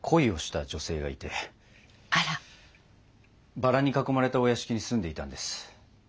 バラに囲まれたお屋敷に住んでいたんです。